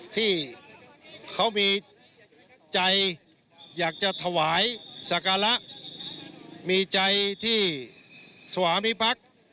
ที่เขามีใจอยากจะถวายสการะมีใจที่สวามิพักษ์